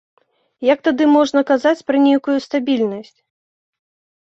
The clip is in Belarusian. Як тады можна казаць пра нейкую стабільнасць?